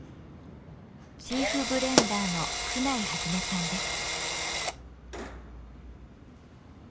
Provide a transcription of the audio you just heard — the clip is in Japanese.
チーフブレンダーの久内一さんです。